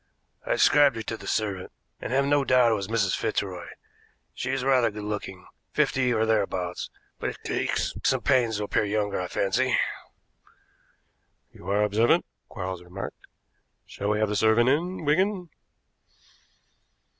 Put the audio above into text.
"I described her to the servant, and have no doubt it was Mrs. Fitzroy. She is rather good looking, fifty or thereabouts, but takes some pains to appear younger, I fancy." "You are observant," Quarles remarked. "Shall we have the servant in, Wigan?"